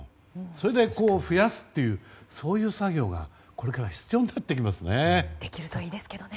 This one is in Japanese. そして増やすという作業がこれから必要になってきますね。